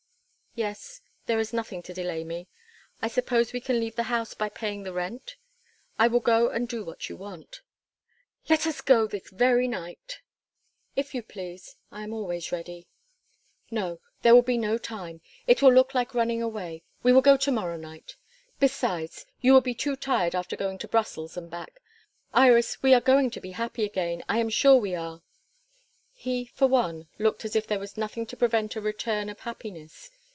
"Yes; there is nothing to delay me. I suppose we can leave the house by paying the rent? I will go and do what you want." "Let us go this very night." "If you please; I am always ready." "No: there will be no time; it will look like running away. We will go to morrow night. Besides, you would be too tired after going to Brussels and back. Iris, we are going to be happy again I am sure we are." He, for one, looked as if there was nothing to prevent a return of happiness.